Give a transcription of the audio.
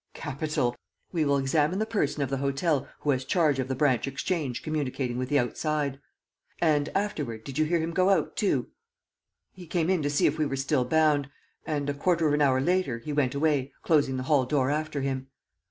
"Capital! We will examine the person of the hotel who has charge of the branch exchange communicating with the outside. And, afterward, did you hear him go out, too?" "He came in to see if we were still bound; and, a quarter of an hour later, he went away, closing the hall door after him."